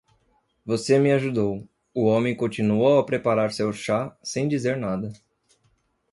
"Você me ajudou." O homem continuou a preparar seu chá sem dizer nada.